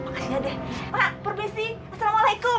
pak perbesi assalamualaikum